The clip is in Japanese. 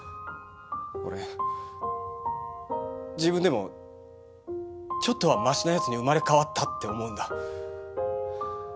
俺自分でもちょっとはマシな奴に生まれ変わったって思うんだ。